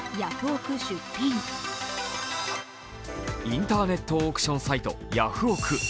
インターネットオークションサイト・ヤフオク！